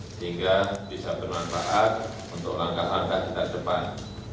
sehingga bisa bermanfaat untuk langkah langkah kita ke depan